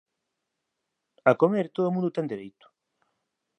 A comer todo o mundo ten dereito.